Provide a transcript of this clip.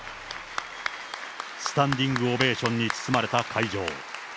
スタンディングオベーションに包まれた会場。